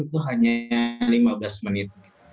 itu hanya lima belas menit